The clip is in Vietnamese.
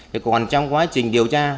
thì còn trong quá trình điều tra